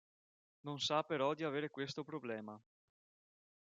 Non sa però di avere questo problema.